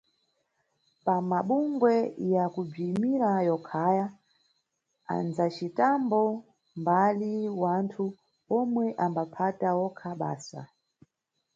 Pamabungwe ya kubziyimira yokaya, andzacitambo mbali wanthu omwe ambaphata okha basa.